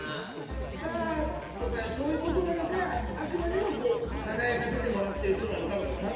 スターとかそういう事なのかあくまでもこう輝かせてもらってる人なのかとか。